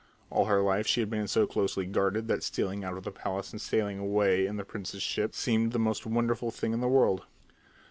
All her life she had been so closely guarded that stealing out of the palace and sailing away in the prince's ship seemed the most wonderful thing in the world.